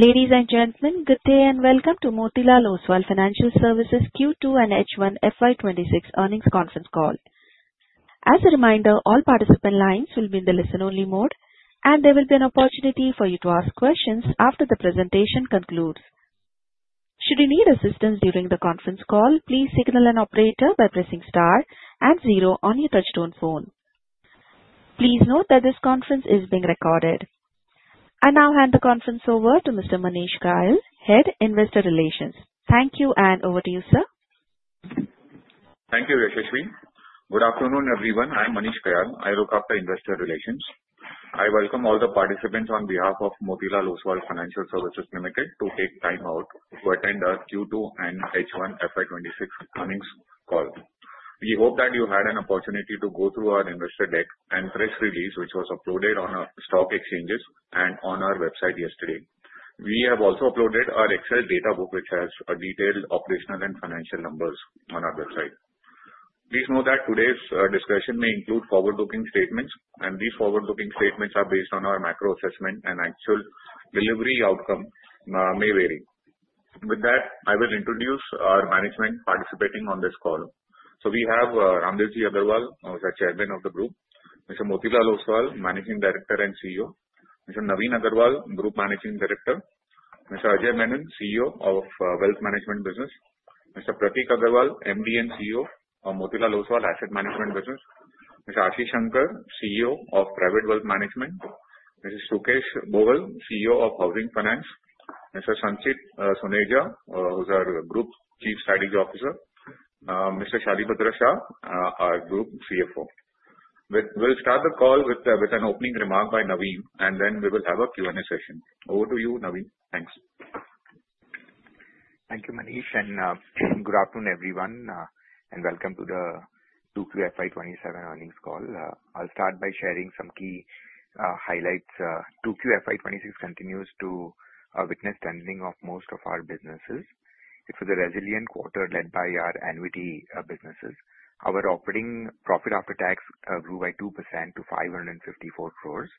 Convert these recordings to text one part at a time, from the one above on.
Ladies and gentlemen, good day and welcome to Motilal Oswal Financial Services Q2 and H1 FY26 earnings conference call. As a reminder, all participant lines will be in the listen-only mode, and there will be an opportunity for you to ask questions after the presentation concludes. Should you need assistance during the conference call, please signal an operator by pressing star and zero on your touch-tone phone. Please note that this conference is being recorded. I now hand the conference over to Mr. Manish Kayal, Head Investor Relations. Thank you, and over to you, sir. Thank you, Rikesh, Good afternoon, everyone. I'm Manish Kayal. I look after investor relations. I welcome all the participants on behalf of Motilal Oswal Financial Services Limited to take time out to attend our Q2 and H1 FY26 earnings call. We hope that you had an opportunity to go through our investor deck and press release, which was uploaded on our stock exchanges and on our website yesterday. We have also uploaded our Excel data book, which has detailed operational and financial numbers on our website. Please note that today's discussion may include forward-looking statements, and these forward-looking statements are based on our macro assessment, and actual delivery outcome may vary. With that, I will introduce our management participating on this call. So we have Raamdeo Agrawal, who is the chairman of the group, Mr. Motilal Oswal, Managing Director and CEO, Mr. Navin Agarwal, Group Managing Director, Mr. Ajay Menon, CEO of Wealth Management Business, Mr. Prateek Agrawal, MD and CEO of Motilal Oswal Asset Management Business, Mr. Ashish Shankar, CEO of Private Wealth Management, Mr. Sukesh Bhowal, CEO of Housing Finance, Mr. Sanjeep Suneja, who's our Group Chief Strategy Officer, Mr. Shalibhadra Shah, our Group CFO. We'll start the call with an opening remark by Navin, and then we will have a Q&A session. Over to you, Navin. Thanks. Thank you, Manish, and good afternoon, everyone, and welcome to the 2Q FY26 earnings call. I'll start by sharing some key highlights. 2Q FY26 continues to witness trending of most of our businesses. It was a resilient quarter led by our annuity businesses. Our operating profit after tax grew by 2% to 554 crores.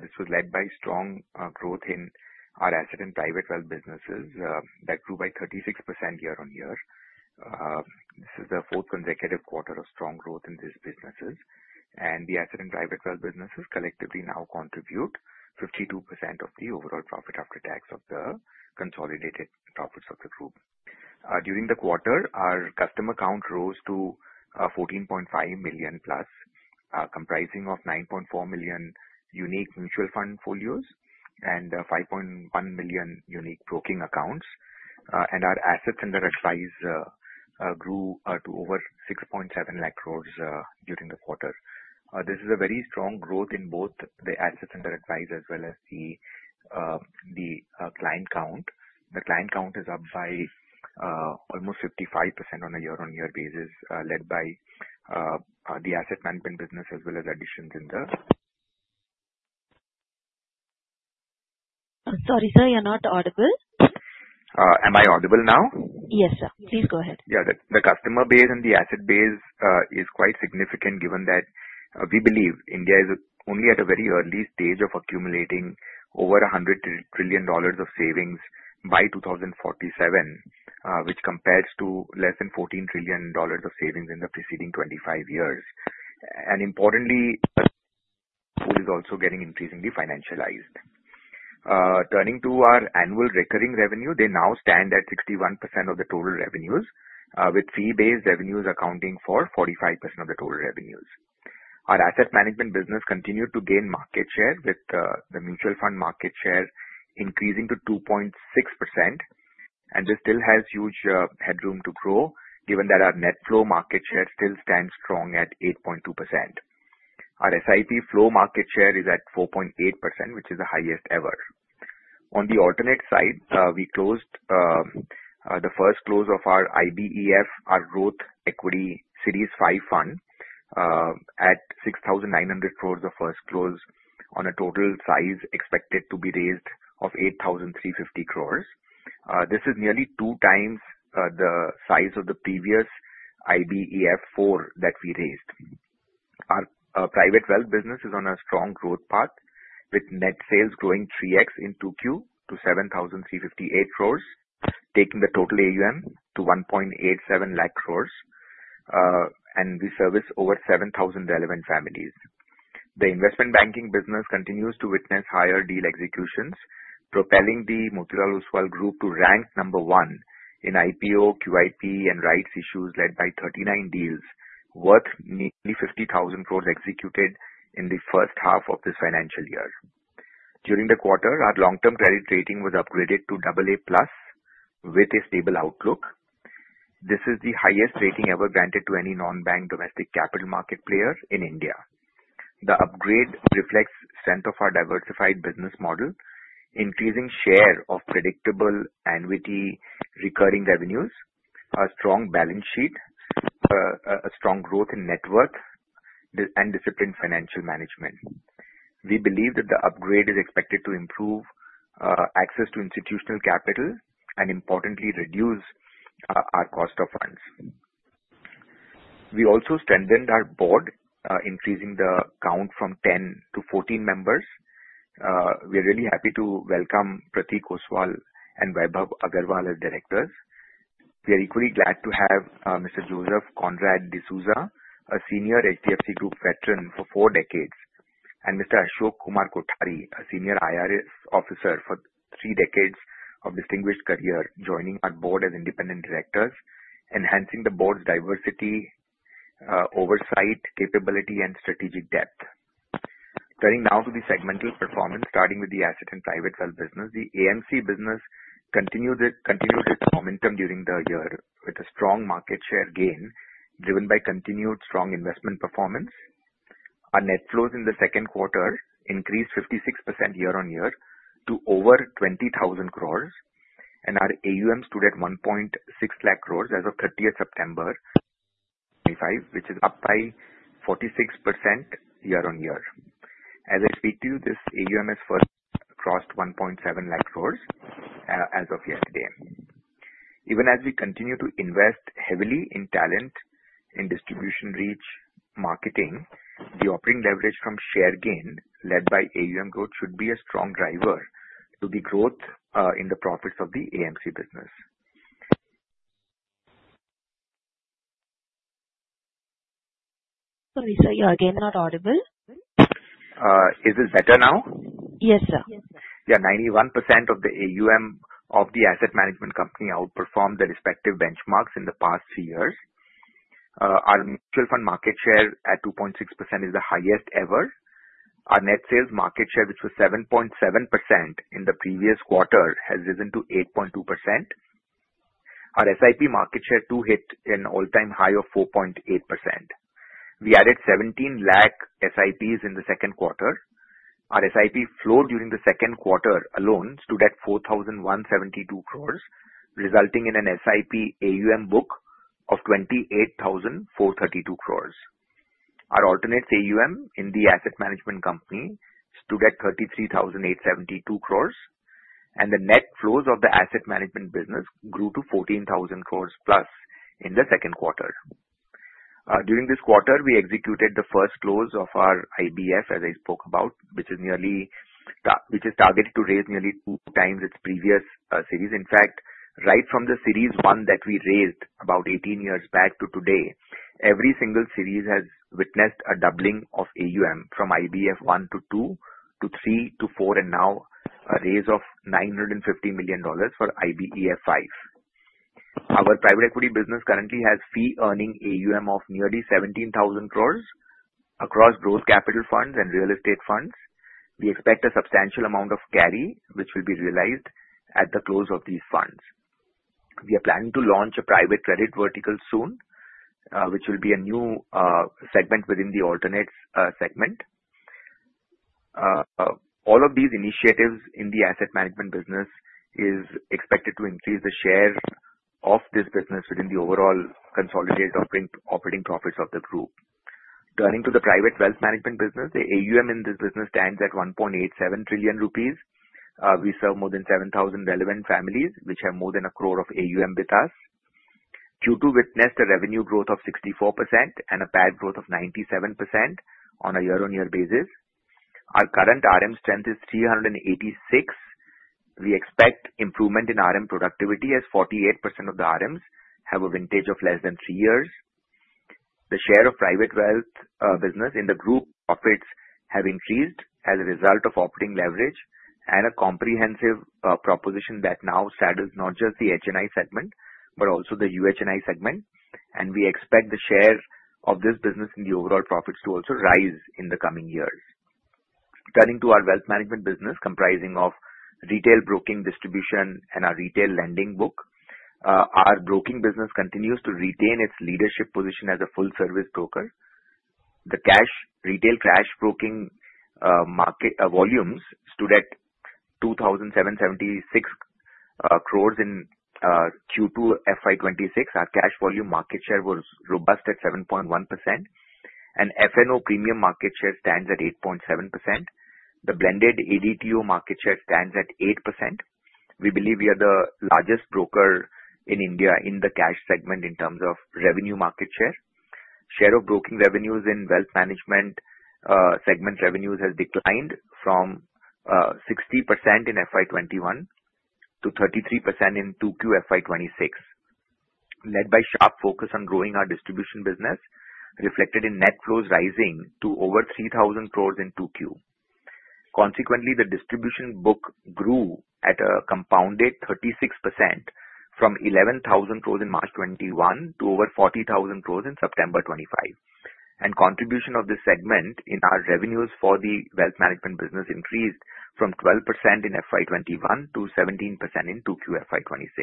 This was led by strong growth in our asset and private wealth businesses that grew by 36% year on year. This is the fourth consecutive quarter of strong growth in these businesses, and the asset and private wealth businesses collectively now contribute 52% of the overall profit after tax of the consolidated profits of the group. During the quarter, our customer count rose to 14.5 million plus, comprising of 9.4 million unique mutual fund folios and 5.1 million unique broking accounts, and our assets under advice grew to over 6.7 lakh crores during the quarter. This is a very strong growth in both the assets under advice as well as the client count. The client count is up by almost 55% on a year-on-year basis, led by the asset management business as well as additions in the. Sorry, sir, you're not audible. Am I audible now? Yes, sir. Please go ahead. Yeah, the customer base and the asset base is quite significant given that we believe India is only at a very early stage of accumulating over $100 trillion of savings by 2047, which compares to less than $14 trillion of savings in the preceding 25 years. And importantly, the pool is also getting increasingly financialized. Turning to our annual recurring revenue, they now stand at 61% of the total revenues, with fee-based revenues accounting for 45% of the total revenues. Our asset management business continued to gain market share, with the mutual fund market share increasing to 2.6%, and this still has huge headroom to grow given that our net flow market share still stands strong at 8.2%. Our SIP flow market share is at 4.8%, which is the highest ever. On the alternate side, we closed the first close of our IBEF, our Growth Equity Series V fund, at 6,900 crores of first close on a total size expected to be raised of 8,350 crores. This is nearly two times the size of the previous IBEF IV that we raised. Our private wealth business is on a strong growth path, with net sales growing 3x in 2Q to 7,358 crores, taking the total AUM to 1.87 lakh crores, and we service over 7,000 relevant families. The investment banking business continues to witness higher deal executions, propelling the Motilal Oswal Group to rank number one in IPO, QIP, and rights issues, led by 39 deals worth nearly 50,000 crores executed in the first half of this financial year. During the quarter, our long-term credit rating was upgraded to AA plus with a stable outlook. This is the highest rating ever granted to any non-bank domestic capital market player in India. The upgrade reflects the strength of our diversified business model, increasing share of predictable annuity recurring revenues, a strong balance sheet, a strong growth in net worth, and disciplined financial management. We believe that the upgrade is expected to improve access to institutional capital and, importantly, reduce our cost of funds. We also strengthened our board, increasing the count from 10 to 14 members. We are really happy to welcome Pratik Oswal and Vaibhav Agrawal, our directors. We are equally glad to have Mr. Joseph Conrad D'Souza, a senior HDFC Group veteran for four decades, and Mr. Ashok Kumar Kothari, a senior IRS officer for three decades of distinguished career, joining our board as independent directors, enhancing the board's diversity, oversight capability, and strategic depth. Turning now to the segmental performance, starting with the asset and private wealth business, the AMC business continued its momentum during the year with a strong market share gain driven by continued strong investment performance. Our net flows in the second quarter increased 56% year on year to over 20,000 crores, and our AUM stood at 1.6 lakh crores as of 30 September 2025, which is up by 46% year on year. As I speak to you, this AUM has first crossed 1.7 lakh crores as of yesterday. Even as we continue to invest heavily in talent, in distribution reach, marketing, the operating leverage from share gain led by AUM growth should be a strong driver to the growth in the profits of the AMC business. Sorry, sir, you're again not audible. Is this better now? Yes, sir. Yeah, 91% of the AUM of the asset management company outperformed the respective benchmarks in the past three years. Our mutual fund market share at 2.6% is the highest ever. Our net sales market share, which was 7.7% in the previous quarter, has risen to 8.2%. Our SIP market share too hit an all-time high of 4.8%. We added 17 lakh SIPs in the second quarter. Our SIP flow during the second quarter alone stood at 4,172 crores, resulting in an SIP AUM book of 28,432 crores. Our alternative AUM in the asset management company stood at 33,872 crores, and the net flows of the asset management business grew to 14,000 crores plus in the second quarter. During this quarter, we executed the first close of our IBEF, as I spoke about, which is targeted to raise nearly two times its previous series. In fact, right from the Series1 that we raised about 18 years back to today, every single series has witnessed a doubling of AUM from IBEF I to II to III to IV, and now a raise of $950 million for IBEF V. Our private equity business currently has fee-earning AUM of nearly 17,000 crores across growth capital funds and real estate funds. We expect a substantial amount of carry, which will be realized at the close of these funds. We are planning to launch a private credit vertical soon, which will be a new segment within the alternative segment. All of these initiatives in the asset management business are expected to increase the share of this business within the overall consolidated operating profits of the group. Turning to the private wealth management business, the AUM in this business stands at 1.87 trillion rupees. We serve more than 7,000 relevant families, which have more than a crore of AUM with us. Q2 witnessed a revenue growth of 64% and a PAT growth of 97% on a year-on-year basis. Our current RM strength is 386. We expect improvement in RM productivity as 48% of the RMs have a vintage of less than three years. The share of private wealth business in the group P&L has increased as a result of operating leverage and a comprehensive proposition that now straddles not just the HNI segment, but also the UHNI segment, and we expect the share of this business in the overall profits to also rise in the coming years. Turning to our wealth management business, comprising of retail broking, distribution, and our retail lending book, our broking business continues to retain its leadership position as a full-service broker. The cash retail cash broking volumes stood at 2,776 crores in Q2 FY26. Our cash volume market share was robust at 7.1%, and F&O premium market share stands at 8.7%. The blended ADTO market share stands at 8%. We believe we are the largest broker in India in the cash segment in terms of revenue market share. Share of broking revenues in wealth management segment revenues has declined from 60% in FY21 to 33% in 2Q FY26, led by sharp focus on growing our distribution business, reflected in net flows rising to over 3,000 crores in 2Q. Consequently, the distribution book grew at a compounded 36% from 11,000 crores in March 2021 to over 40,000 crores in September 2025, and contribution of this segment in our revenues for the wealth management business increased from 12% in FY21 to 17% in 2Q FY26.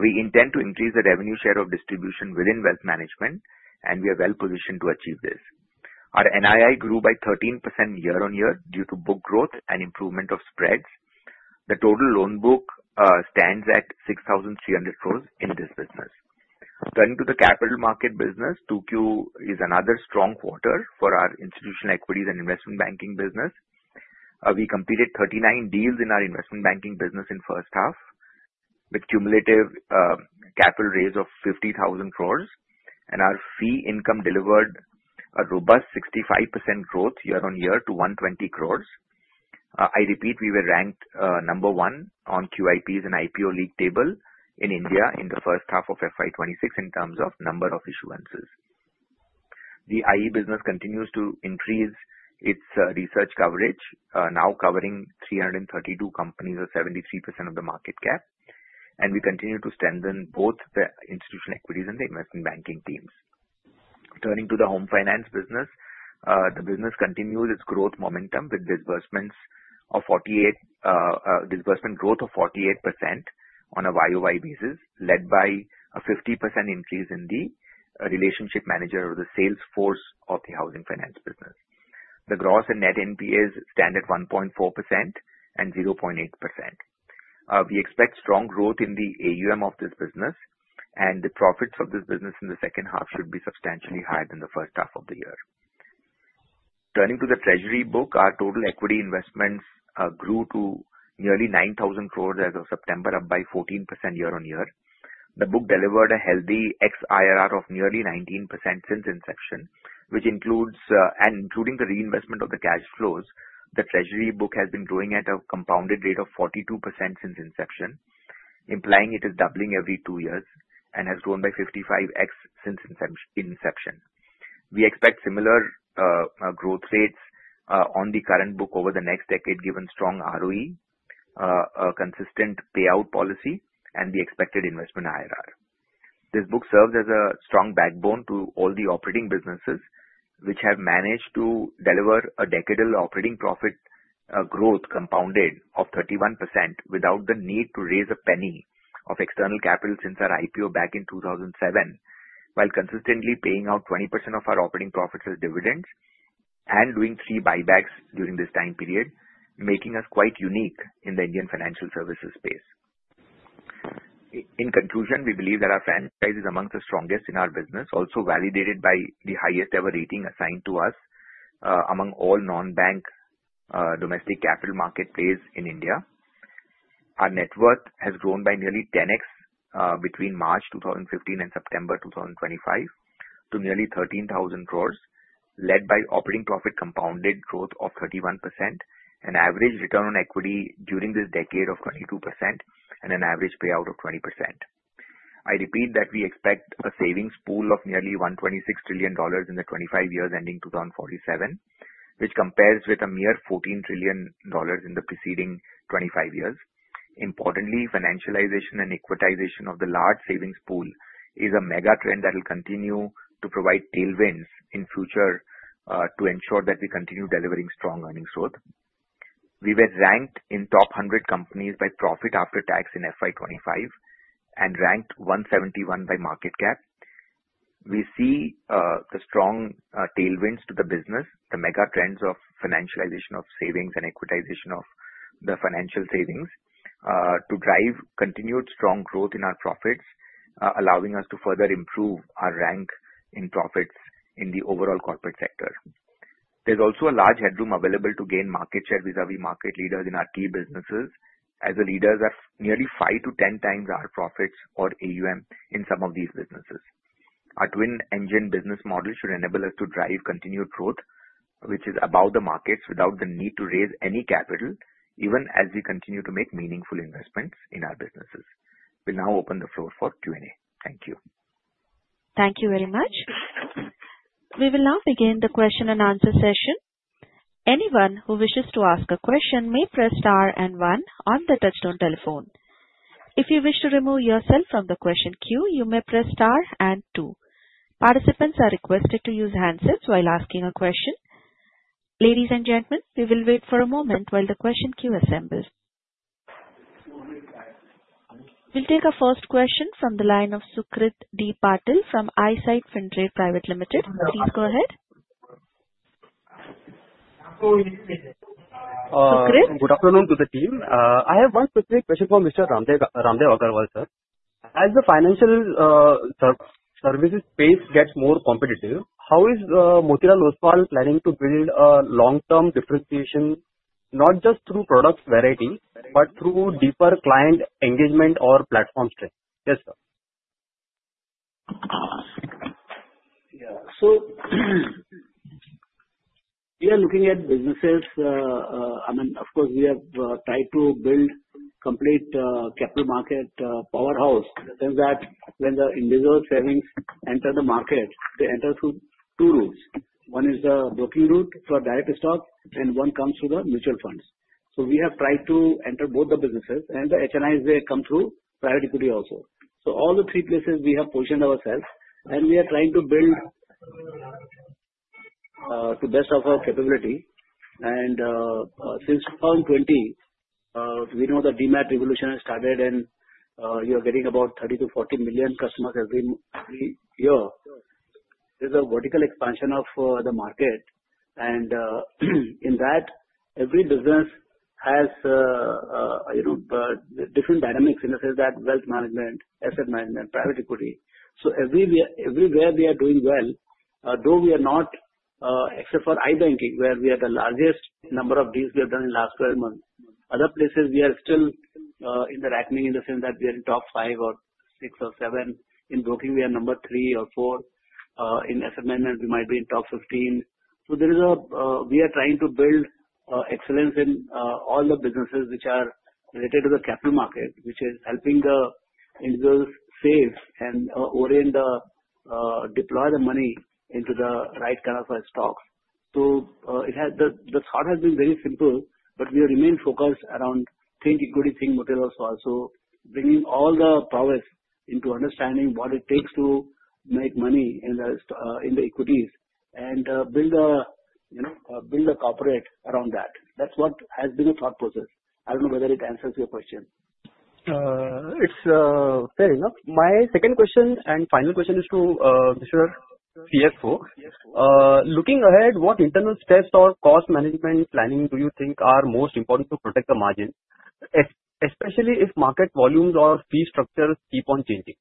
We intend to increase the revenue share of distribution within wealth management, and we are well positioned to achieve this. Our NII grew by 13% year-on-year due to book growth and improvement of spreads. The total loan book stands at 6,300 crores in this business. Turning to the capital market business, 2Q is another strong quarter for our institutional equities and investment banking business. We completed 39 deals in our investment banking business in the first half with cumulative capital raise of 50,000 crores, and our fee income delivered a robust 65% growth year-on-year to 120 crores. I repeat, we were ranked number one on QIPs and IPO league table in India in the first half of FY26 in terms of number of issuances. The IE business continues to increase its research coverage, now covering 332 companies or 73% of the market cap, and we continue to strengthen both the institutional equities and the investment banking teams. Turning to the home finance business, the business continues its growth momentum with disbursements of 48% growth of 48% on a YOY basis, led by a 50% increase in the relationship manager or the sales force of the housing finance business. The gross and net NPAs stand at 1.4% and 0.8%. We expect strong growth in the AUM of this business, and the profits of this business in the second half should be substantially higher than the first half of the year. Turning to the treasury book, our total equity investments grew to nearly 9,000 crores as of September, up by 14% year-on-year. The book delivered a healthy XIRR of nearly 19% since inception, which includes and including the reinvestment of the cash flows. The treasury book has been growing at a compounded rate of 42% since inception, implying it is doubling every two years and has grown by 55x since inception. We expect similar growth rates on the current book over the next decade, given strong ROE, a consistent payout policy, and the expected investment IRR. This book serves as a strong backbone to all the operating businesses, which have managed to deliver a decadal operating profit growth compounded of 31% without the need to raise a penny of external capital since our IPO back in 2007, while consistently paying out 20% of our operating profits as dividends and doing three buybacks during this time period, making us quite unique in the Indian financial services space. In conclusion, we believe that our franchise is among the strongest in our business, also validated by the highest ever rating assigned to us among all non-bank domestic capital market plays in India. Our net worth has grown by nearly 10x between March 2015 and September 2025 to nearly 13,000 crores, led by operating profit compounded growth of 31%, an average return on equity during this decade of 22%, and an average payout of 20%. I repeat that we expect a savings pool of nearly $126 trillion in the 25 years ending 2047, which compares with a mere $14 trillion in the preceding 25 years. Importantly, financialization and equitization of the large savings pool is a mega trend that will continue to provide tailwinds in future to ensure that we continue delivering strong earnings growth. We were ranked in the top 100 companies by profit after tax in FY25 and ranked 171 by market cap. We see the strong tailwinds to the business, the mega trends of financialization of savings and equitization of the financial savings to drive continued strong growth in our profits, allowing us to further improve our rank in profits in the overall corporate sector. There's also a large headroom available to gain market share vis-à-vis market leaders in our key businesses, as the leaders are nearly five to 10 times our profits or AUM in some of these businesses. Our Twin Engine business model should enable us to drive continued growth, which is above the markets without the need to raise any capital, even as we continue to make meaningful investments in our businesses. We'll now open the floor for Q&A. Thank you. Thank you very much. We will now begin the question-and-answer session. Anyone who wishes to ask a question may press star and one on the touch-tone telephone. If you wish to remove yourself from the question queue, you may press star and two. Participants are requested to use handsets while asking a question. Ladies and gentlemen, we will wait for a moment while the question queue assembles. We'll take a first question from the line of Sucrit Patil from Eyesight FinTrade Private Limited. Please go ahead. Sucrit. Good afternoon to the team. I have one specific question for Mr. Raamdeo Agrawal, sir. As the financial services space gets more competitive, how is Motilal Oswal planning to build a long-term differentiation not just through product variety, but through deeper client engagement or platform strength? Yes, sir. Yeah. So we are looking at businesses. I mean, of course, we have tried to build a complete capital market powerhouse in that when the individual savings enter the market, they enter through two routes. One is the broking route for direct stock, and one comes through the mutual funds. So we have tried to enter both the businesses, and the HNIs come through private equity also. So all the three places we have positioned ourselves, and we are trying to build to the best of our capability. And since 2020, we know the DMAT revolution has started, and you are getting about 30-40 million customers every year. There's a vertical expansion of the market, and in that, every business has different dynamics in the sense that wealth management, asset management, private equity. So, everywhere we are doing well, though we are not except for IBanking, where we are the largest number of deals we have done in the last 12 months. Other places, we are still in the reckoning in the sense that we are in top five or six or seven. In broking, we are number three or four. In asset management, we might be in top 15. So there is a we are trying to build excellence in all the businesses which are related to the capital market, which is helping the individuals save and deploy the money into the right kind of stocks. So the thought has been very simple, but we have remained focused around think equity, think Motilal Oswal, so bringing all the prowess into understanding what it takes to make money in the equities and build a corporate around that. That's what has been the thought process. I don't know whether it answers your question. It's fair enough. My second question and final question is to Mr CFO Looking ahead, what internal steps or cost management planning do you think are most important to protect the margin, especially if market volumes or fee structures keep on changing?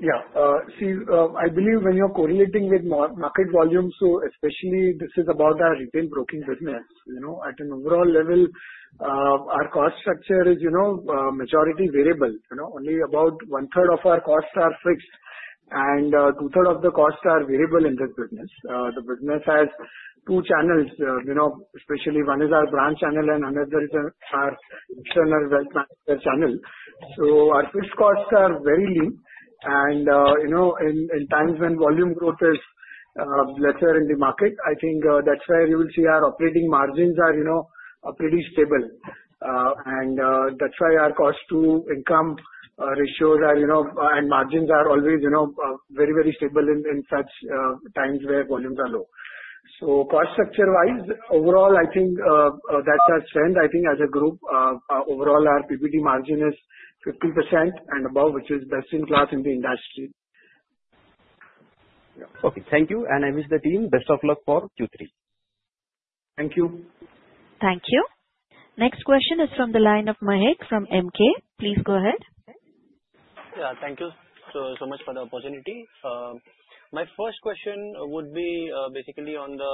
Yeah. Yeah. See, I believe when you're correlating with market volumes, so especially this is about our retail broking business. At an overall level, our cost structure is majority variable. Only about one-third of our costs are fixed, and two-thirds of the costs are variable in this business. The business has two channels, especially one is our branch channel, and another is our external wealth management channel. So our fixed costs are very lean, and in times when volume growth is lesser in the market, I think that's where you will see our operating margins are pretty stable. And that's why our cost-to-income ratios and margins are always very, very stable in such times where volumes are low. So cost structure-wise, overall, I think that's our strength. I think as a group, overall, our PPT margin is 50% and above, which is best in class in the industry. Yeah. Okay. Thank you. And I wish the team best of luck for Q3. Thank you. Thank you. Next question is from the line of Mahek from Emkay. Please go ahead. Yeah. Thank you so much for the opportunity. My first question would be basically on the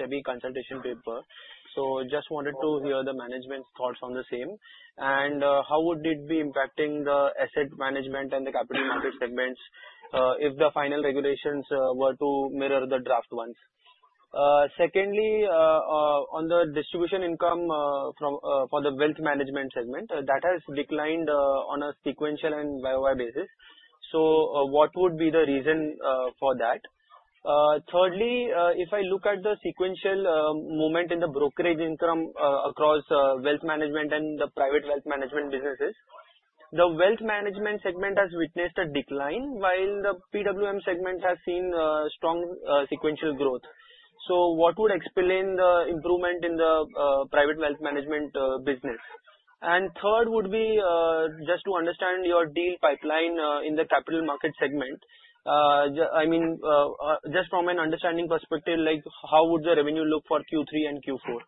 SEBI consultation paper. So just wanted to hear the management's thoughts on the same. And how would it be impacting the asset management and the capital market segments if the final regulations were to mirror the draft ones? Secondly, on the distribution income for the wealth management segment, that has declined on a sequential and YOY basis. So what would be the reason for that? Thirdly, if I look at the sequential movement in the brokerage income across wealth management and the private wealth management businesses, the wealth management segment has witnessed a decline, while the PWM segment has seen strong sequential growth. So what would explain the improvement in the private wealth management business? And third would be just to understand your deal pipeline in the capital market segment. I mean, just from an understanding perspective, how would the revenue look for Q3 and Q4?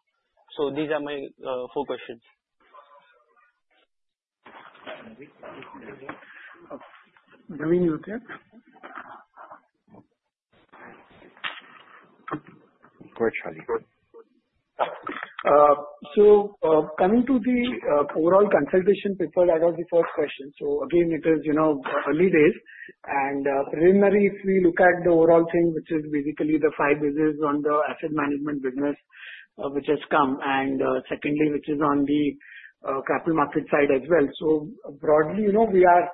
So these are my four questions. Giving you a clip. Go ahead, Shalibhadra. Coming to the overall Consultation Paper, that was the first question. So again, it is early days, and preliminary if we look at the overall thing, which is basically the five businesses on the Asset Management business, which has come, and secondly, which is on the Capital Markets side as well, so broadly we are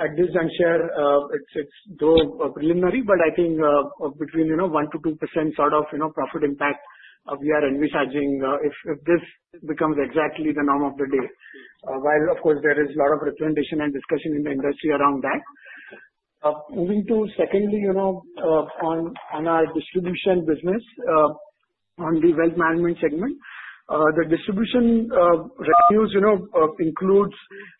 at this juncture. It's though preliminary, but I think between 1%-2% sort of profit impact we are envisaging if this becomes exactly the norm of the day. While, of course, there is a lot of recommendation and discussion in the industry around that. Moving to secondly, on our distribution business, on the Wealth Management segment, the distribution revenues includes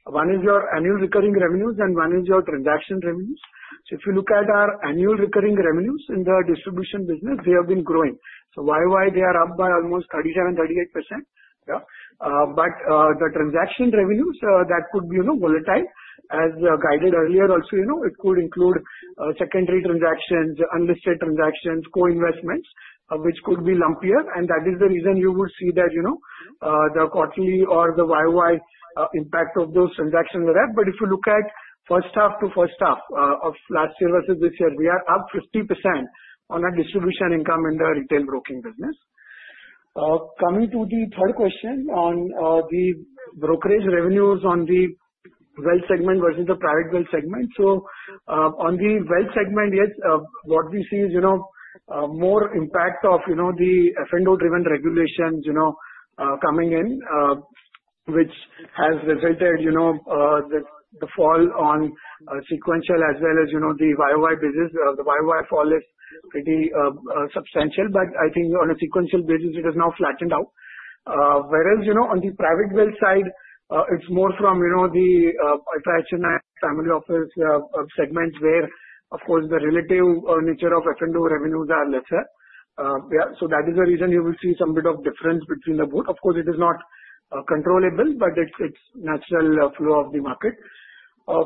one is your annual recurring revenues and one is your transaction revenues, so if you look at our annual recurring revenues in the distribution business, they have been growing. So, YOY, they are up by almost 37%, 38%. Yeah. But the transaction revenues, that could be volatile. As guided earlier also, it could include secondary transactions, unlisted transactions, co-investments, which could be lumpier. And that is the reason you would see that the quarterly or the YOY impact of those transactions are there. But if you look at first half to first half of last year versus this year, we are up 50% on our distribution income in the retail broking business. Coming to the third question on the brokerage revenues on the wealth segment versus the private wealth segment. So on the wealth segment, yes, what we see is more impact of the F&O-driven regulations coming in, which has resulted in the fall on sequential as well as the YOY business. The YOY fall is pretty substantial, but I think on a sequential basis, it has now flattened out. Whereas on the private wealth side, it's more from the HNI family office segment where, of course, the relative nature of F&O revenues are lesser. Yeah. So that is the reason you will see some bit of difference between the both. Of course, it is not controllable, but it's natural flow of the market.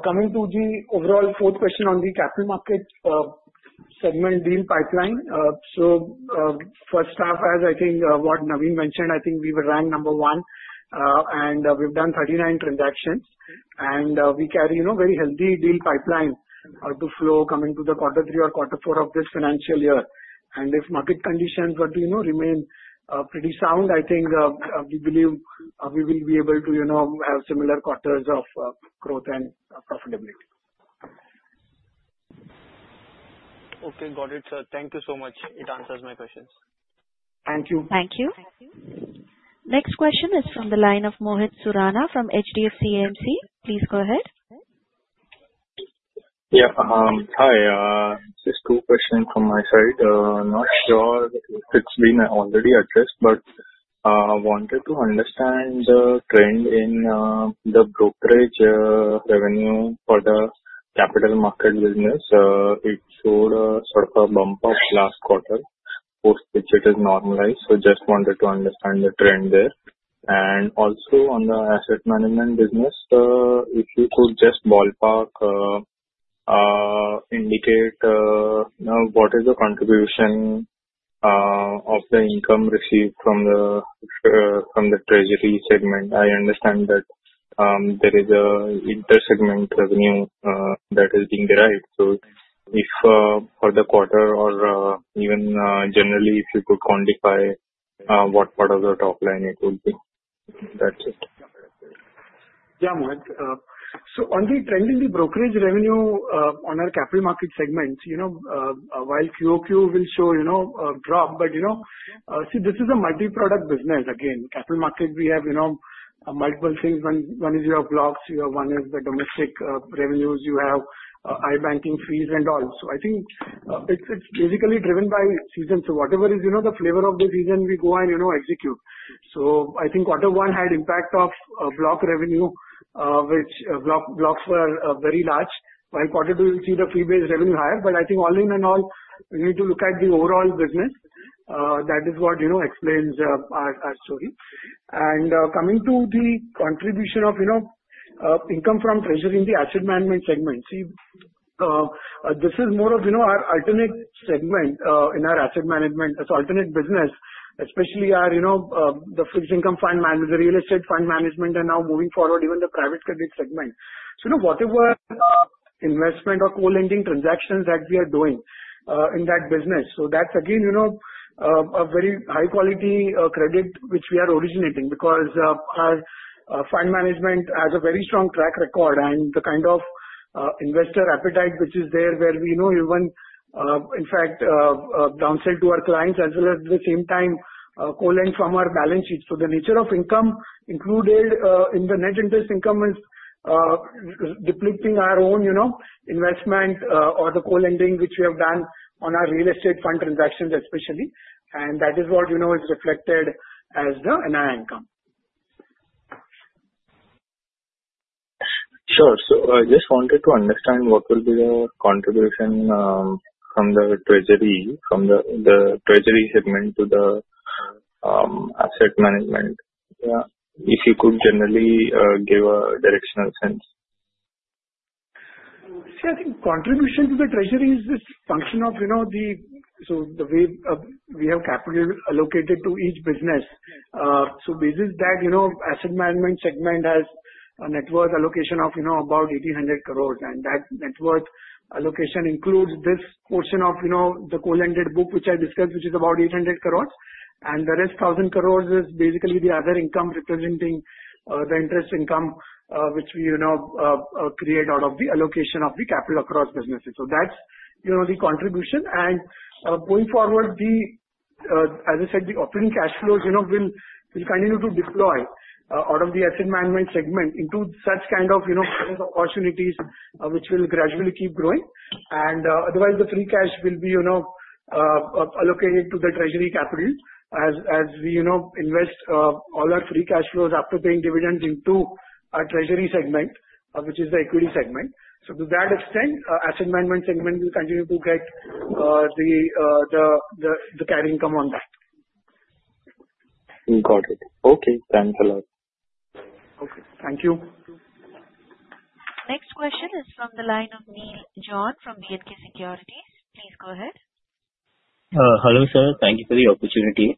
Coming to the overall fourth question on the capital market segment deal pipeline. So first half, as I think what Navin mentioned, I think we were ranked number one, and we've done 39 transactions. And we carry a very healthy deal pipeline out of flow coming to the quarter three or quarter four of this financial year. If market conditions remain pretty sound, I think we believe we will be able to have similar quarters of growth and profitability. Okay. Got it. Thank you so much. It answers my questions. Thank you. Thank you. Next question is from the line of Mohit Surana from HDFC AMC. Please go ahead. Yeah. Hi. Just two questions from my side. Not sure if it's been already addressed, but I wanted to understand the trend in the brokerage revenue for the capital market business. It showed sort of a bump up last quarter, post which it has normalized. So just wanted to understand the trend there. And also on the asset management business, if you could just ballpark indicate what is the contribution of the income received from the treasury segment. I understand that there is an inter-segment revenue that is being derived. So if for the quarter or even generally, if you could quantify what part of the top line it would be. That's it. Yeah, Mohit. So on the trend in the brokerage revenue on our capital market segments, while QoQ will show a drop, but see, this is a multi-product business. Again, capital market, we have multiple things. One is your blocks, one is the domestic revenues, you have IBanking fees and all. So I think it's basically driven by season. So whatever is the flavor of the season, we go and execute. So I think quarter one had impact of block revenue, which blocks were very large, while quarter two you'll see the fee-based revenue higher. But I think all in all, we need to look at the overall business. That is what explains our story. And coming to the contribution of income from treasury in the asset management segment. See, this is more of our alternative segment in our asset management. It's alternative business, especially the fixed income fund management, the real estate fund management, and now moving forward, even the private credit segment. So whatever investment or co-lending transactions that we are doing in that business. So that's, again, a very high-quality credit which we are originating because our fund management has a very strong track record and the kind of investor appetite which is there where we even in fact downsell to our clients as well as at the same time co-lend from our balance sheets. So the nature of income included in the net interest income is depleting our own investment or the co-lending which we have done on our real estate fund transactions, especially. And that is what is reflected as the NII income. Sure. So I just wanted to understand what will be the contribution from the treasury, from the treasury segment to the asset management. Yeah. If you could generally give a directional sense? See, I think contribution to the treasury is this function of the so the way we have capital allocated to each business. So basically, that asset management segment has a net worth allocation of about 1,800 crores. And that net worth allocation includes this portion of the co-lended book which I discussed, which is about 800 crores. And the rest 1,000 crores is basically the other income representing the interest income which we create out of the allocation of the capital across businesses. So that's the contribution. And going forward, as I said, the operating cash flows will continue to deploy out of the asset management segment into such kind of opportunities which will gradually keep growing. And otherwise, the free cash will be allocated to the treasury capital as we invest all our free cash flows after paying dividends into our treasury segment, which is the equity segment. So to that extent, Asset Management segment will continue to get the carrying income on that. Got it. Okay. Thanks a lot. Okay. Thank you. Next question is from the line of Neil John from B&K Securities. Please go ahead. Hello sir. Thank you for the opportunity.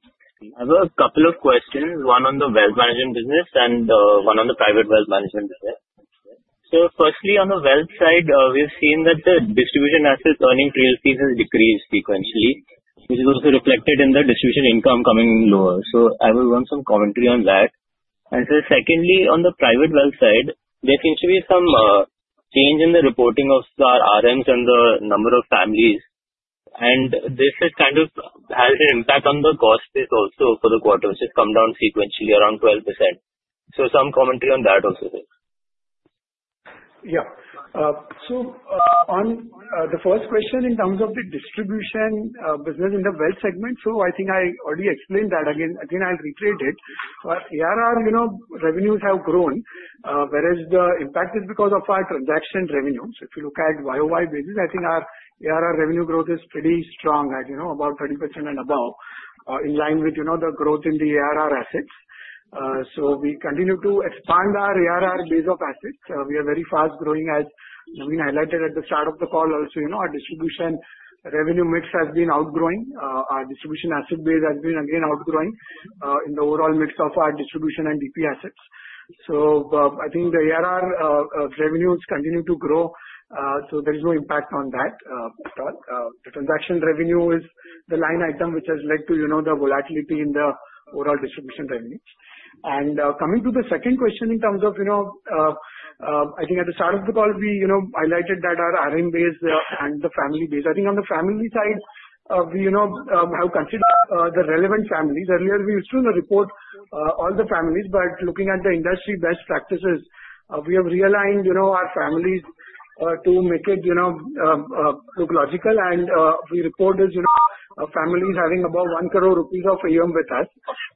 I have a couple of questions, one on the wealth management business and one on the private wealth management business. So firstly, on the wealth side, we've seen that the distribution assets earning trail fees has decreased sequentially, which is also reflected in the distribution income coming lower. So I would want some commentary on that. And secondly, on the private wealth side, there seems to be some change in the reporting of our RMs and the number of families. And this has kind of had an impact on the cost base also for the quarter, which has come down sequentially around 12%. So some commentary on that also. Yeah. So on the first question in terms of the distribution business in the wealth segment, so I think I already explained that. Again, I think I'll reiterate it. Our ARR revenues have grown, whereas the impact is because of our transaction revenue. So if you look at YOY basis, I think our ARR revenue growth is pretty strong, about 30% and above, in line with the growth in the ARR assets. So we continue to expand our ARR base of assets. We are very fast growing, as Navin highlighted at the start of the call. Also, our distribution revenue mix has been outgrowing. Our distribution asset base has been again outgrowing in the overall mix of our distribution and DP assets. So I think the ARR revenues continue to grow. So there is no impact on that at all. The transaction revenue is the line item which has led to the volatility in the overall distribution revenues, and coming to the second question in terms of, I think at the start of the call, we highlighted that our RM base and the family base. I think on the family side, we have considered the relevant families. Earlier, we used to report all the families, but looking at the industry best practices, we have realigned our families to make it look logical, and we reported families having above one crores rupees of AUM with us.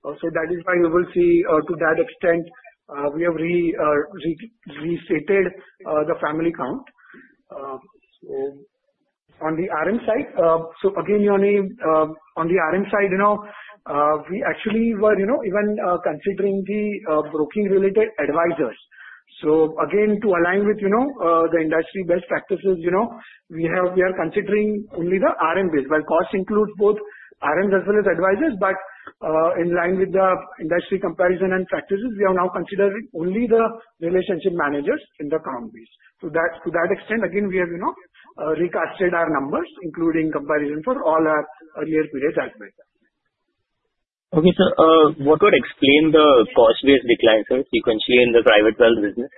So that is why you will see to that extent, we have restated the family count. So on the RM side, so again, on the RM side, we actually were even considering the brokerage-related advisors. So again, to align with the industry best practices, we are considering only the RM base, where cost includes both RMs as well as advisors. But in line with the industry comparison and practices, we are now considering only the relationship managers in the count base. To that extent, again, we have recasted our numbers, including comparison for all our earlier periods as well. Okay. So what would explain the cost-based declines sequentially in the private wealth business?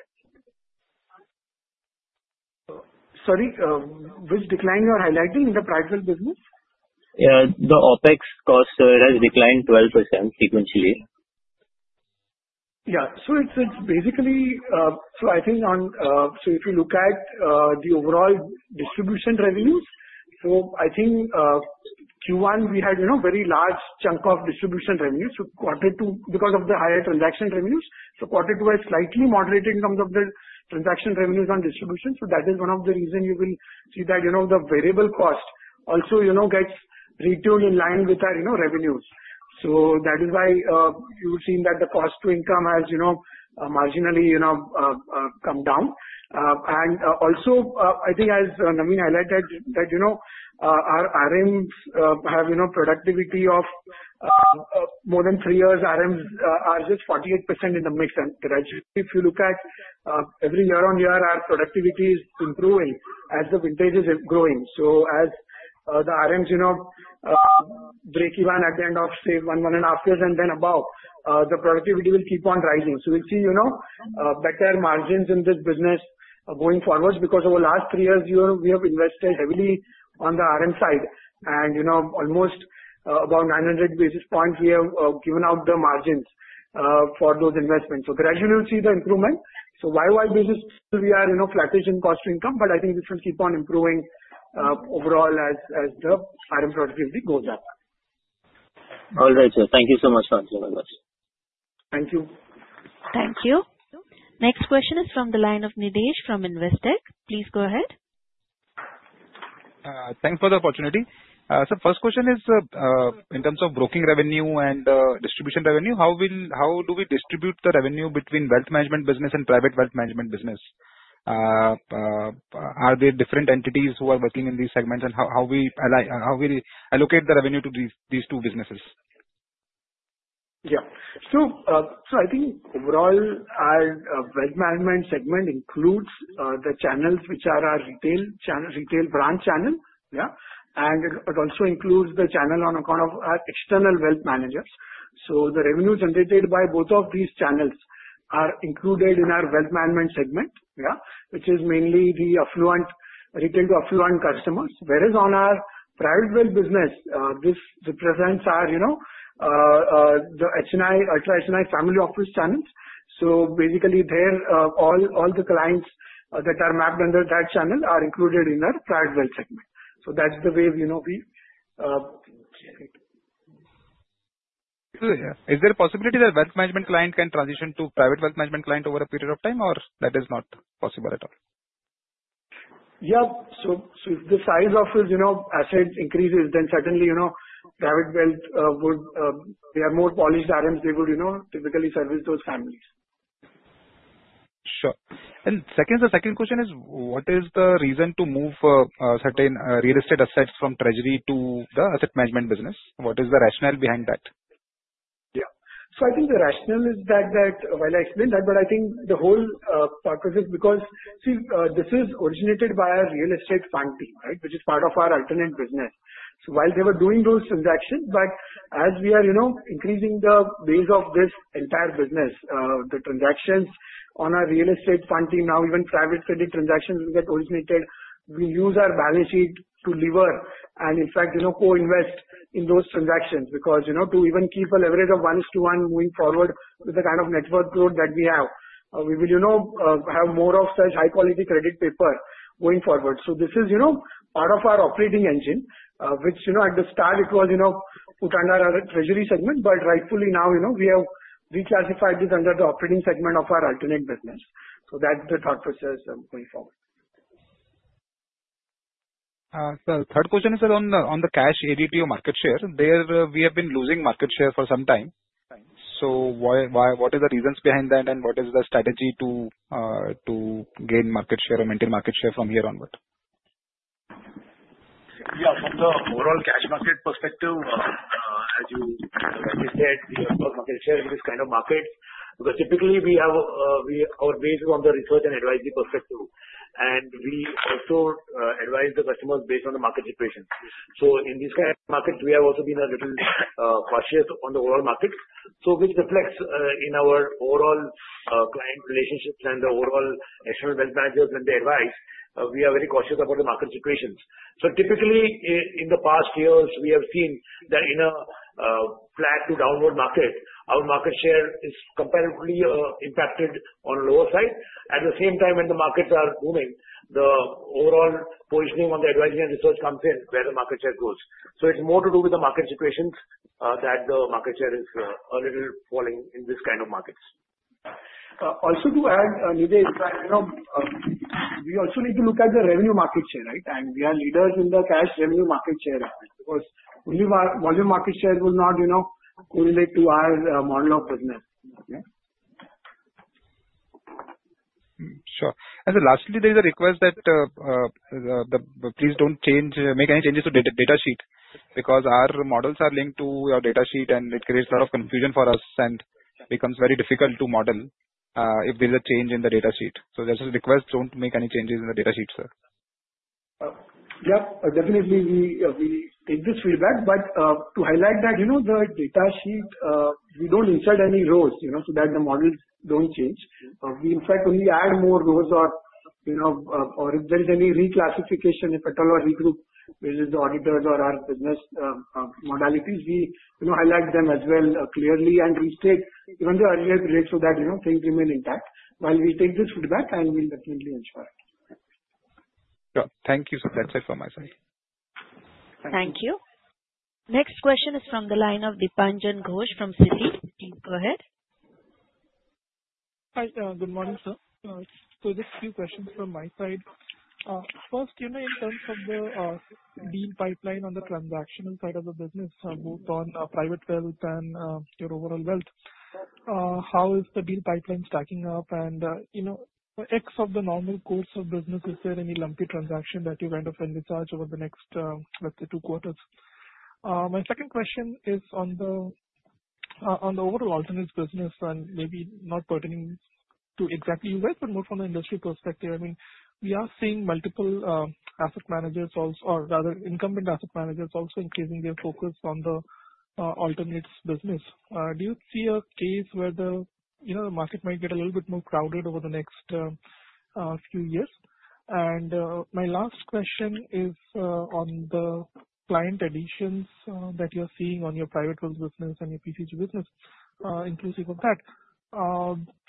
Sorry? Which decline are you highlighting in the private wealth business? Yeah. The OpEx cost has declined 12% sequentially. Yeah. So it's basically, so I think, on, so if you look at the overall distribution revenues, so I think Q1, we had a very large chunk of distribution revenue. So quarter two, because of the higher transaction revenues, so quarter two was slightly moderating in terms of the transaction revenues on distribution. So that is one of the reasons you will see that the variable cost also gets reduced in line with our revenues. So that is why you would see that the cost-to-income has marginally come down. And also, I think as Navin highlighted, that our RMs have productivity of more than three years. RMs are just 48% in the mix. And gradually, if you look at every year on year, our productivity is improving as the vintage is growing. So as the RMs break even at the end of, say, one and a half years and then above, the productivity will keep on rising. So we'll see better margins in this business going forward because over the last three years, we have invested heavily on the RM side. And almost about 900 basis points, we have given out the margins for those investments. So gradually, you'll see the improvement. So YOY basis, we are flattish in cost-to-income, but I think this will keep on improving overall as the RM productivity goes up. All right. Thank you so much. Thank you. Thank you. Next question is from the line of Nitesh from Investec. Please go ahead. Thanks for the opportunity. So first question is in terms of broking revenue and distribution revenue, how do we distribute the revenue between wealth management business and private wealth management business? Are there different entities who are working in these segments, and how do we allocate the revenue to these two businesses? Yeah. So I think overall, our wealth management segment includes the channels which are our retail branch channel. Yeah. And it also includes the channel on account of our external wealth managers. So the revenue generated by both of these channels are included in our wealth management segment, which is mainly the retail-to-affluent customers. Whereas on our private wealth business, this represents the HNI, Ultra HNI family office channels. So basically, all the clients that are mapped under that channel are included in our private wealth segment. So that's the way we share it. Good. Is there a possibility that wealth management client can transition to private wealth management client over a period of time, or that is not possible at all? Yeah. So if the size of his asset increases, then certainly private wealth would be more polished RMs. They would typically service those families. Sure. And the second question is, what is the reason to move certain real estate assets from treasury to the asset management business? What is the rationale behind that? Yeah. So I think the rationale is that, while I explain that, but I think the whole purpose is because see, this is originated by our real estate fund team, right, which is part of our alternative business. So while they were doing those transactions, but as we are increasing the base of this entire business, the transactions on our real estate fund team, now even private credit transactions will get originated, we use our balance sheet to leverage and, in fact, co-invest in those transactions because to even keep a leverage of one-to-one moving forward with the kind of net worth growth that we have, we will have more of such high-quality credit paper going forward. So this is part of our operating engine, which at the start, it was put under our treasury segment, but rightfully now we have reclassified this under the operating segment of our alternative business. So that's the thought process going forward. The third question is on the cash ADTO market share. We have been losing market share for some time. What are the reasons behind that, and what is the strategy to gain market share or maintain market share from here onward? Yeah. From the overall cash market perspective, as you said, we have lost market share in this kind of market because typically, our base is on the research and advisory perspective. And we also advise the customers based on the market situation. So in this kind of market, we have also been a little cautious on the overall market, which reflects in our overall client relationships and the overall external wealth managers when they advise. We are very cautious about the market situations. So typically, in the past years, we have seen that in a flat to downward market, our market share is comparatively impacted on the lower side. At the same time, when the markets are booming, the overall positioning on the advisory and research comes in where the market share goes. So it's more to do with the market situations that the market share is a little falling in this kind of markets. Also, to add, Nitesh, we also need to look at the revenue market share, right? And we are leaders in the cash revenue market share because only volume market share will not correlate to our model of business. Sure. And lastly, there is a request that please don't make any changes to data sheet because our models are linked to our data sheet, and it creates a lot of confusion for us and becomes very difficult to model if there's a change in the data sheet. So just a request, don't make any changes in the data sheet, sir. Yeah. Definitely, we take this feedback. But to highlight that, the data sheet, we don't insert any rows so that the models don't change. We, in fact, only add more rows or if there is any reclassification, if at all, or regroup, whether it's the auditors or our business modalities, we highlight them as well clearly and restate even the earlier period so that things remain intact. While we take this feedback, and we'll definitely ensure it. Sure. Thank you. So that's it from my side. Thank you. Next question is from the line of Dipanjan Ghosh from Citi. Please go ahead. Hi. Good morning, sir. So just a few questions from my side. First, in terms of the deal pipeline on the transactional side of the business, both on private wealth and your overall wealth, how is the deal pipeline stacking up? And outside of the normal course of business, is there any lumpy transaction that you kind of envisage over the next, let's say, two quarters? My second question is on the overall alternatives business, and maybe not pertaining to exactly us, but more from the industry perspective. I mean, we are seeing multiple asset managers, or rather incumbent asset managers, also increasing their focus on the alternatives business. Do you see a case where the market might get a little bit more crowded over the next few years? My last question is on the client additions that you're seeing on your private wealth business and your PCG business, inclusive of that.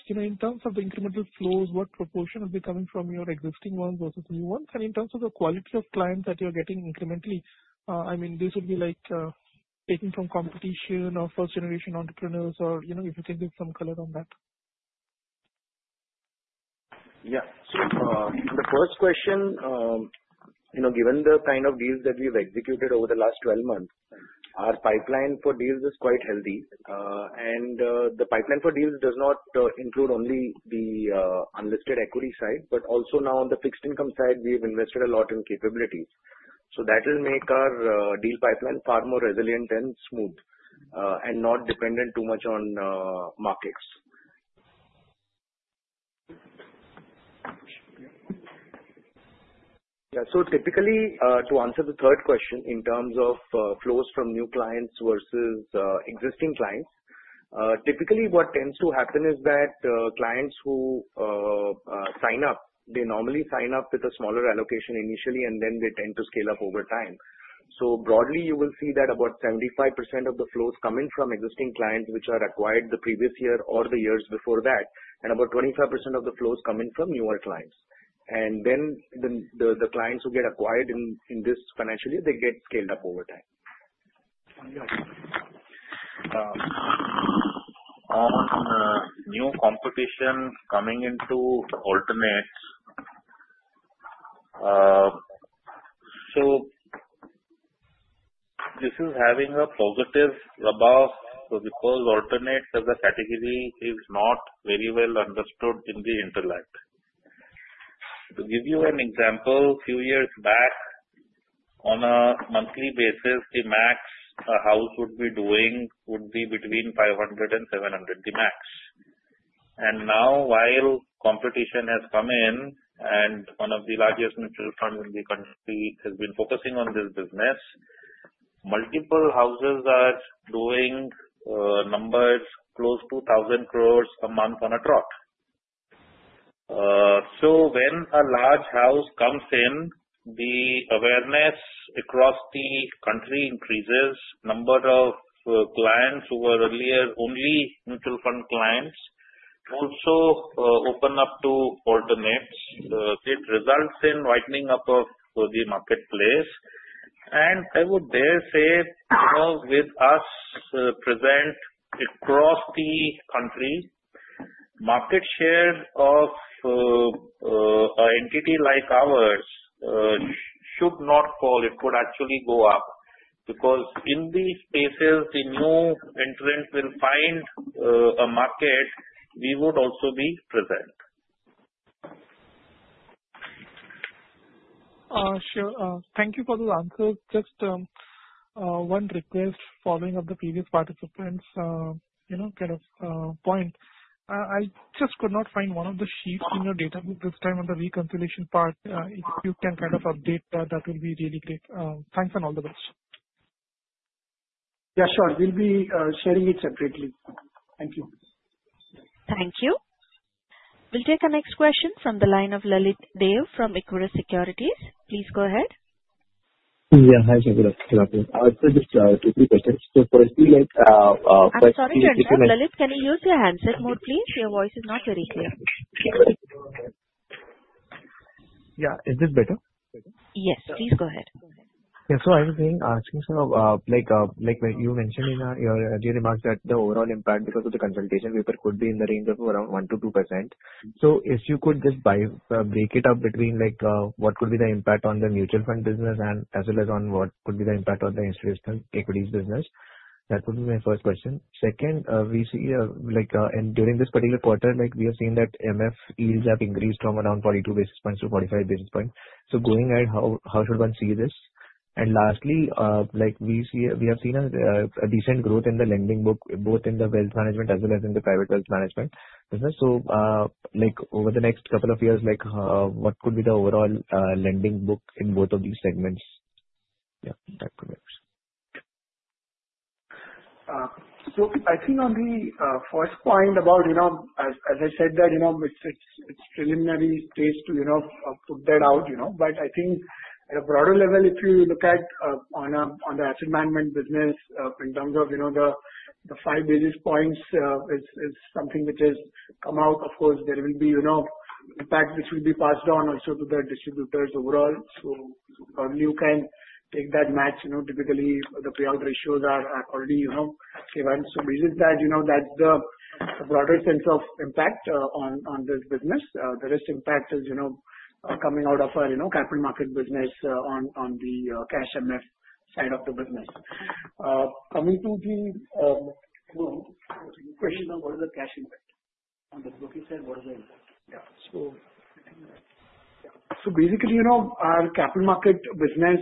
In terms of the incremental flows, what proportion is coming from your existing ones versus new ones? And in terms of the quality of clients that you're getting incrementally, I mean, this would be taking from competition or first-generation entrepreneurs, or if you can give some color on that. Yeah. So the first question, given the kind of deals that we've executed over the last 12 months, our pipeline for deals is quite healthy. And the pipeline for deals does not include only the unlisted equity side, but also now on the fixed income side, we have invested a lot in capabilities. So that will make our deal pipeline far more resilient and smooth and not dependent too much on markets. Yeah. So typically, to answer the third question in terms of flows from new clients versus existing clients, typically what tends to happen is that clients who sign up, they normally sign up with a smaller allocation initially, and then they tend to scale up over time. So broadly, you will see that about 75% of the flows come in from existing clients which are acquired the previous year or the years before that, and about 25% of the flows come in from newer clients. And then the clients who get acquired in this financial year, they get scaled up over time. On the new competition coming into alternatives, so this is having a positive rub-off because alternatives as a category is not very well understood in the intellect. To give you an example, a few years back, on a monthly basis, the max a house would be doing would be between 500 and 700, the max. And now, while competition has come in, and one of the largest mutual funds in the country has been focusing on this business, multiple houses are doing numbers close to 1,000 crores a month on a drop. So when a large house comes in, the awareness across the country increases. The number of clients who were earlier only mutual fund clients also open up to alternatives. It results in widening up of the marketplace. And I would dare say, with us present across the country, market share of an entity like ours should not fall. It could actually go up because in these spaces, the new entrants will find a market. We would also be present. Sure. Thank you for those answers. Just one request following of the previous participants' kind of point. I just could not find one of the sheets in your database this time on the reconciliation part. If you can kind of update that, that would be really great. Thanks and all the best. Yeah, sure. We'll be sharing it separately. Thank you. Thank you. We'll take a next question from the line of Lalit Deo from Equirus Securities. Please go ahead. Yeah. Hi, I have just two questions. So for a few. I'm sorry to interrupt, Lalit. Can you use your handset mode, please? Your voice is not very clear. Yeah. Is this better? Yes. Please go ahead. Yeah. So, I was asking, you mentioned in your remarks that the overall impact because of the Consultation Paper could be in the range of around 1%-2%. So, if you could just break it up between what could be the impact on the mutual fund business as well as on what could be the impact on the institutional equities business, that would be my first question. Second, we see during this particular quarter, we have seen that MF yields have increased from around 42 basis points to 45 basis points. So, going ahead, how should one see this? And lastly, we have seen a decent growth in the lending book, both in the wealth management as well as in the private wealth management business. So, over the next couple of years, what could be the overall lending book in both of these segments? Yeah. That's my question. So I think on the first point about, as I said, that it's preliminary space to put that out. But I think at a broader level, if you look at on the asset management business, in terms of the five basis points, it's something which has come out. Of course, there will be impact which will be passed on also to the distributors overall. So only you can take that match. Typically, the payout ratios are already given. So basically, that's the broader sense of impact on this business. The risk impact is coming out of our capital market business on the cash MF side of the business. Coming to the question of what is the cash impact on the booking side, what is the impact? Yeah. So basically, our capital market business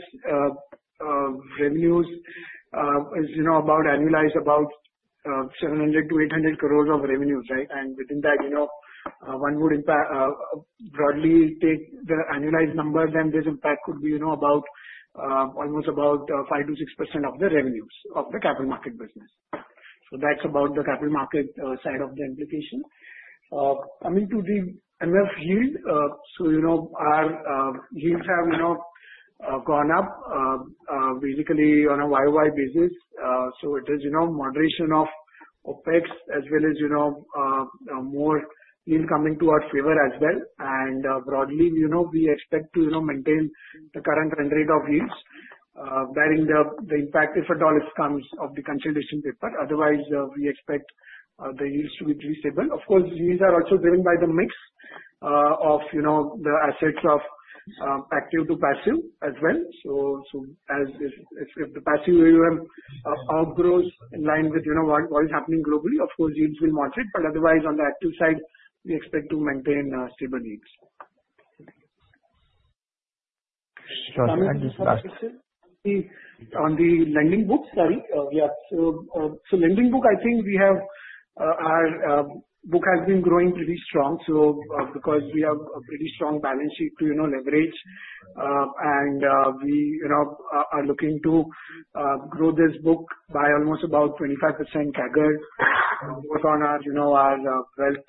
revenues is about annualized about 700-800 crores of revenues, right? Within that, one would broadly take the annualized number, then this impact could be almost about 5%-6% of the revenues of the capital market business. That's about the capital market side of the implication. Coming to the MF yield, our yields have gone up basically on a YOY basis. It is moderation of OpEx as well as more yield coming to our favor as well. Broadly, we expect to maintain the current trend rate of yields bearing the impact if at all it comes of the Consultation Paper. Otherwise, we expect the yields to be pretty stable. Of course, yields are also driven by the mix of the assets of active to passive as well. If the passive outgrows in line with what is happening globally, of course, yields will moderate. But otherwise, on the active side, we expect to maintain stable yields. Sorry, can I just ask? On the lending book, sorry. Yeah. So lending book, I think we have our book has been growing pretty strong because we have a pretty strong balance sheet to leverage. And we are looking to grow this book by almost about 25% CAGR both on our wealth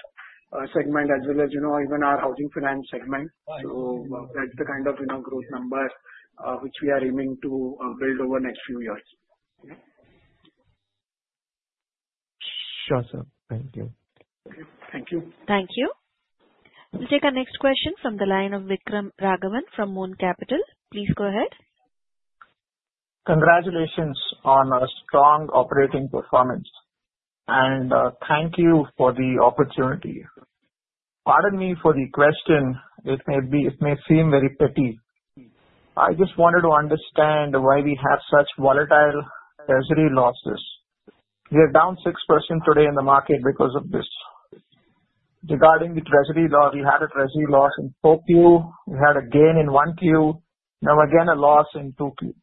segment as well as even our housing finance segment. So that's the kind of growth number which we are aiming to build over the next few years. Sure, sir. Thank you. Thank you. Thank you. We'll take a next question from the line of Vikram Raghavan from Moon Capital. Please go ahead. Congratulations on a strong operating performance and thank you for the opportunity. Pardon me for the question. It may seem very petty. I just wanted to understand why we have such volatile treasury losses. We are down 6% today in the market because of this. Regarding the treasury loss, we had a treasury loss in 4Q. We had a gain in 1Q. Now, again, a loss in 2Q.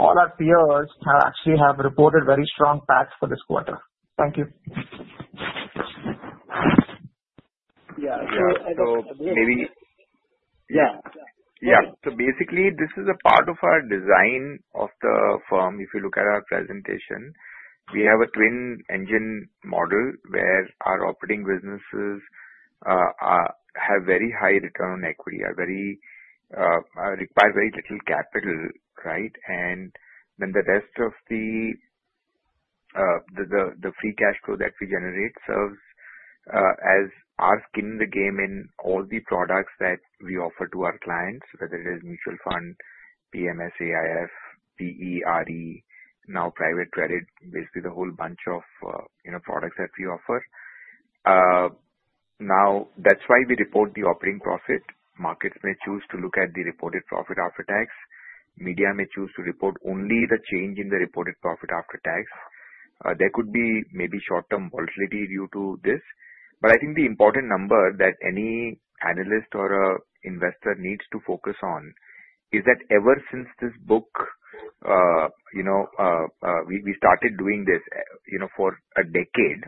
All our peers actually have reported very strong PATs for this quarter. Thank you. Yeah. So basically. Yeah. Yeah. So basically, this is a part of our design of the firm. If you look at our presentation, we have a twin engine model where our operating businesses have very high return on equity, require very little capital, right? And then the rest of the free cash flow that we generate serves as our skin in the game in all the products that we offer to our clients, whether it is mutual fund, PMS, AIF, PE, RE, now private credit, basically the whole bunch of products that we offer. Now, that's why we report the operating profit. Markets may choose to look at the reported profit after tax. Media may choose to report only the change in the reported profit after tax. There could be maybe short-term volatility due to this. But I think the important number that any analyst or investor needs to focus on is that ever since this book, we started doing this for a decade,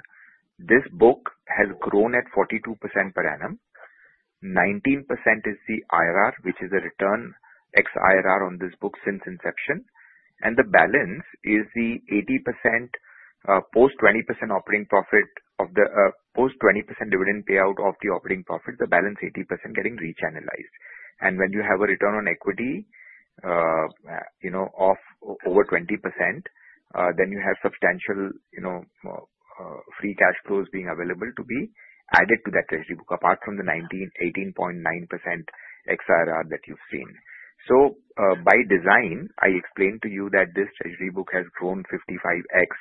this book has grown at 42% per annum. 19% is the IRR, which is the return ex-IRR on this book since inception. And the balance is the 80% post 20% operating profit of the post 20% dividend payout of the operating profit. The balance 80% getting re-channelized. And when you have a return on equity of over 20%, then you have substantial free cash flows being available to be added to that treasury book apart from the 18.9% ex-IRR that you've seen. So by design, I explained to you that this treasury book has grown 55X.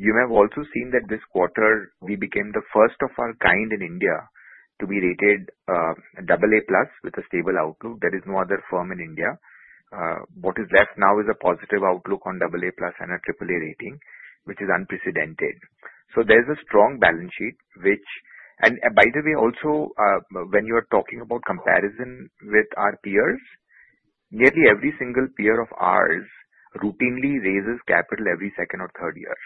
You may have also seen that this quarter, we became the first of our kind in India to be rated AA plus with a stable outlook. There is no other firm in India. What is left now is a positive outlook on AA plus and a AAA rating, which is unprecedented. So there's a strong balance sheet, which, and by the way, also when you are talking about comparison with our peers, nearly every single peer of ours routinely raises capital every second or third year.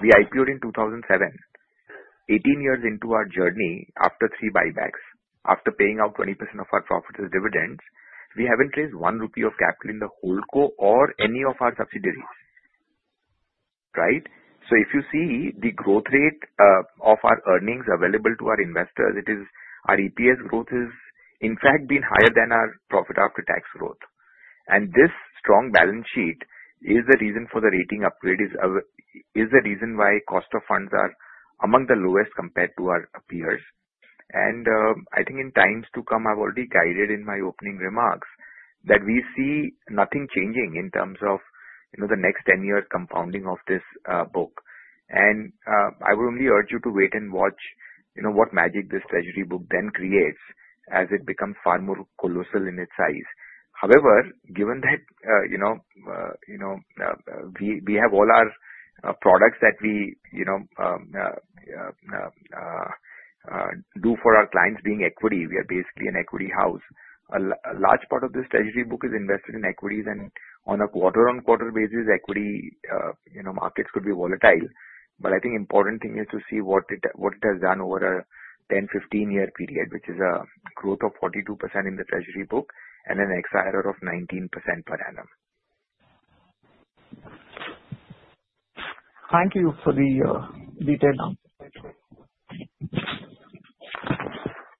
We IPO'd in 2007. 18 years into our journey, after three buybacks, after paying out 20% of our profits as dividends, we haven't raised one INR of capital in the HoldCo or any of our subsidiaries, right? So if you see the growth rate of our earnings available to our investors, it is our EPS growth, in fact, been higher than our profit after tax growth. And this strong balance sheet is the reason for the rating upgrade, the reason why cost of funds are among the lowest compared to our peers. And I think in times to come, I've already guided in my opening remarks that we see nothing changing in terms of the next 10-year compounding of this book. And I would only urge you to wait and watch what magic this treasury book then creates as it becomes far more colossal in its size. However, given that we have all our products that we do for our clients being equity, we are basically an equity house. A large part of this treasury book is invested in equities. On a quarter-on-quarter basis, equity markets could be volatile. I think the important thing is to see what it has done over a 10, 15-year period, which is a growth of 42% in the treasury book and an Ex-IRR of 19% per annum. Thank you for the detail now.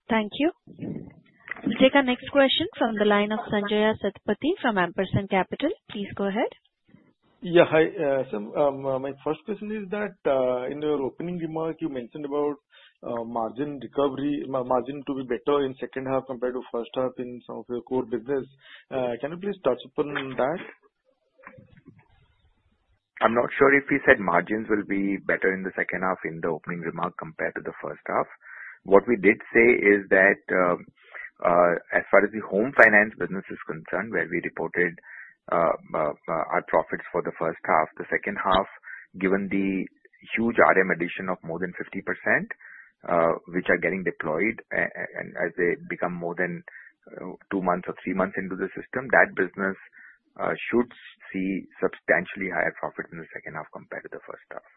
Thank you. We'll take our next question from the line of Sanjaya Satapathy from Ampersand Capital. Please go ahead. Yeah. Hi. So my first question is that in your opening remark, you mentioned about margin recovery, margin to be better in second half compared to first half in some of your core business. Can you please touch upon that? I'm not sure if he said margins will be better in the second half in the opening remark compared to the first half. What we did say is that as far as the home finance business is concerned, where we reported our profits for the first half, the second half, given the huge RM addition of more than 50%, which are getting deployed, and as they become more than two months or three months into the system, that business should see substantially higher profits in the second half compared to the first half.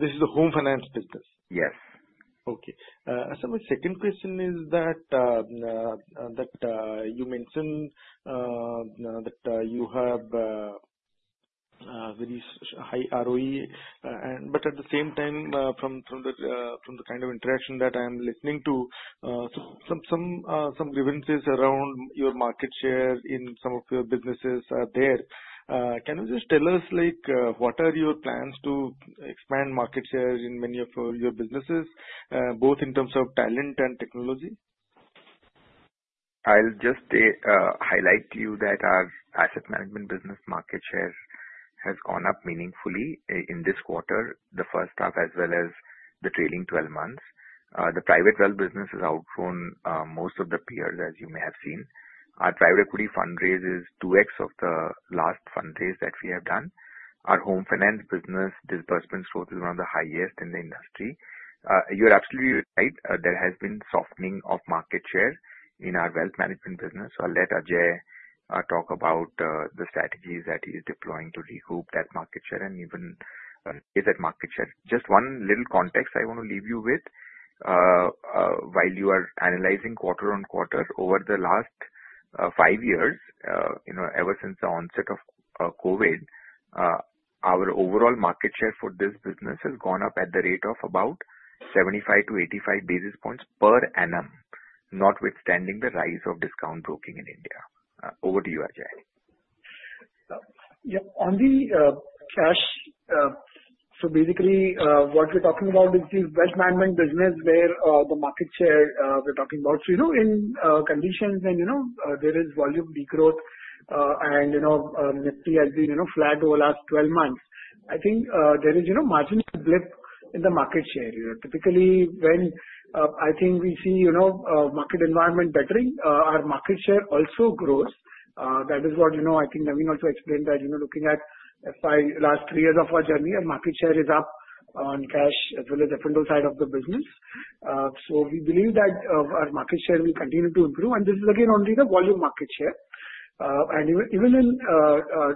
This is the home finance business? Yes. Okay, so my second question is that you mentioned that you have very high ROE, but at the same time, from the kind of interaction that I am listening to, some grievances around your market share in some of your businesses are there. Can you just tell us what are your plans to expand market share in many of your businesses, both in terms of talent and technology? I'll just highlight to you that our asset management business market share has gone up meaningfully in this quarter, the first half as well as the trailing 12 months. The private wealth business has outgrown most of the peers, as you may have seen. Our private equity fundraise is 2x of the last fundraise that we have done. Our home finance business disbursement growth is one of the highest in the industry. You're absolutely right. There has been softening of market share in our wealth management business. So I'll let Ajay talk about the strategies that he is deploying to recoup that market share and even raise that market share. Just one little context I want to leave you with. While you are analyzing quarter on quarter over the last five years, ever since the onset of COVID, our overall market share for this business has gone up at the rate of about 75 to 85 basis points per annum, notwithstanding the rise of discount broking in India. Over to you, Ajay. Yeah. On the cash, so basically, what we're talking about is the wealth management business where the market share we're talking about. So in conditions when there is volume regrowth and Nifty has been flat over the last 12 months, I think there is a margin blip in the market share. Typically, when I think we see market environment bettering, our market share also grows. That is what I think Navin also explained that looking at the last three years of our journey, our market share is up on cash as well as the F&O side of the business. So we believe that our market share will continue to improve. And this is, again, only the volume market share. And even in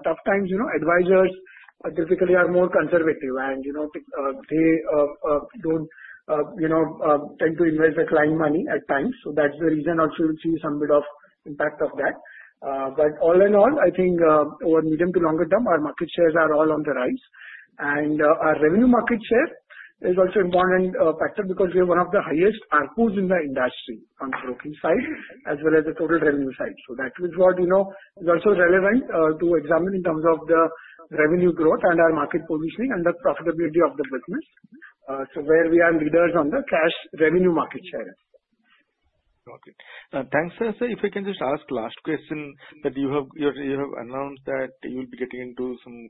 tough times, advisors typically are more conservative, and they don't tend to invest their client money at times. So that's the reason also you'll see some bit of impact of that. But all in all, I think over medium to longer term, our market shares are all on the rise. And our revenue market share is also an important factor because we are one of the highest ARPUs in the industry on the broking side as well as the total revenue side. So that is what is also relevant to examine in terms of the revenue growth and our market positioning and the profitability of the business, where we are leaders on the cash revenue market share. Okay. Thanks, sir. If I can just ask last question, that you have announced that you will be getting into some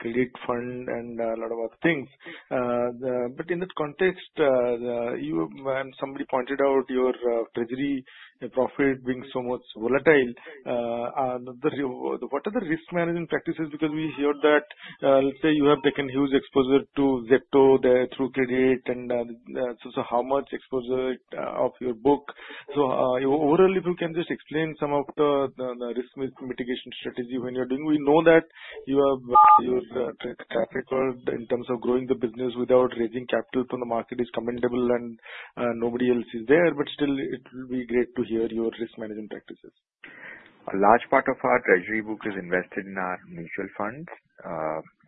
credit fund and a lot of other things. But in that context, when somebody pointed out your treasury profit being so much volatile, what are the risk management practices? Because we heard that, let's say, you have taken huge exposure to Zepto through credit. And so how much exposure of your book? So overall, if you can just explain some of the risk mitigation strategy when you're doing, we know that your track record in terms of growing the business without raising capital from the market is commendable, and nobody else is there. But still, it will be great to hear your risk management practices. A large part of our treasury book is invested in our mutual funds.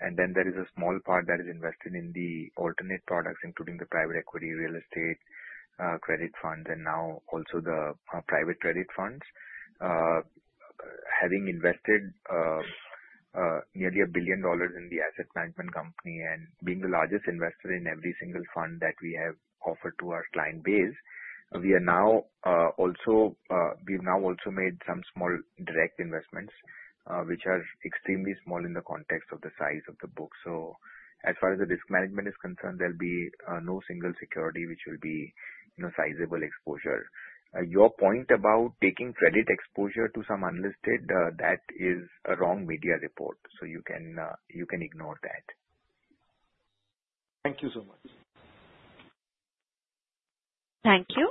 And then there is a small part that is invested in the alternative products, including the private equity, real estate, credit funds, and now also the private credit funds. Having invested nearly $1 billion in the asset management company and being the largest investor in every single fund that we have offered to our client base, we've now also made some small direct investments, which are extremely small in the context of the size of the book. So as far as the risk management is concerned, there'll be no single security which will be sizable exposure. Your point about taking credit exposure to some unlisted, that is a wrong media report. So you can ignore that. Thank you so much. Thank you.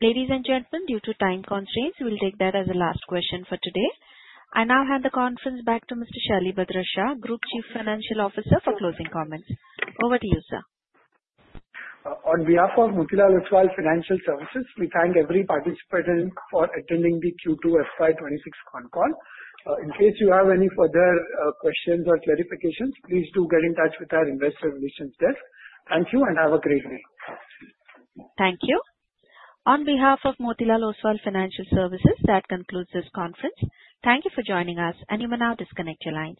Ladies and gentlemen, due to time constraints, we'll take that as a last question for today. I now hand the conference back to Mr. Shalibhadra Shah, Group Chief Financial Officer for closing comments. Over to you, sir. On behalf of Motilal Oswal Financial Services, we thank every participant for attending the Q2 FY26 conference call. In case you have any further questions or clarifications, please do get in touch with our investor relations desk. Thank you and have a great day. Thank you. On behalf of Motilal Oswal Financial Services, that concludes this conference. Thank you for joining us, and you may now disconnect your lines.